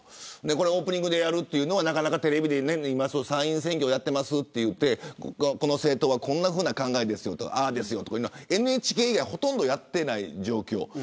これはオープニングでやるというのはテレビでは参院選挙やっていますといってこの政党はこんなふうな考えですとかＮＨＫ以外はほとんどやっていない状況。